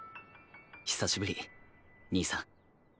久しぶり兄さん。